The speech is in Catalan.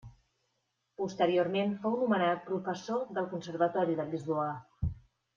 Posteriorment fou nomenat professor del conservatori de Lisboa.